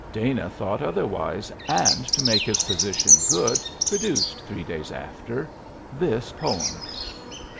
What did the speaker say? Dana thought otherwise, and to make his position good produced three days after this poem."